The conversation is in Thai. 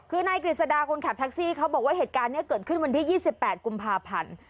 คือนายกฤษดาคนขับแท็กซี่เขาบอกว่าเหตุการณ์นี้เกิดขึ้นวันที่๒๘กุมภาพันธ์